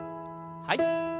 はい。